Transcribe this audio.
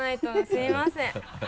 すみません。